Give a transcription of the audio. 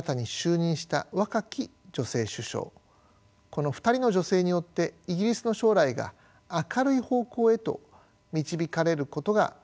この２人の女性によってイギリスの将来が明るい方向へと導かれることが期待されていました。